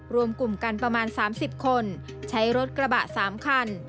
รวมกลุ่มกันประมาณ๓๐คนใช้รถกระบะ๓คัน